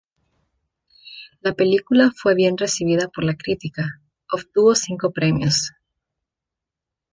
La película fue bien recibida por la crítica, obtuvo cinco premios.